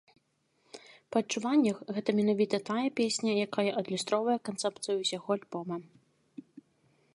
Па адчуваннях, гэта менавіта тая песня, якая адлюстроўвае канцэпцыю ўсяго альбома.